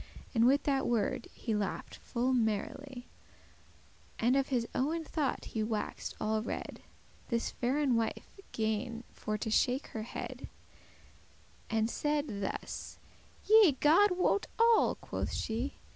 And with that word he laugh'd full merrily, And of his owen thought he wax'd all red. This faire wife gan for to shake her head, And saide thus; "Yea, God wot all" quoth she.